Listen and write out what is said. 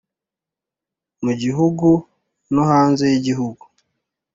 mu gihugu no hanze y’igihugu,